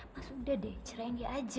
mas udah deh ceraiin dia aja